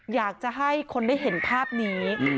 อยากจะให้คนได้เห็นภาพนี้